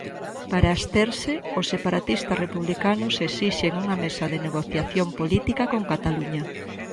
Para absterse, os separatistas republicanos esixen unha mesa de negociación política con Cataluña.